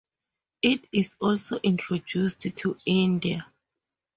It is also introduced to India.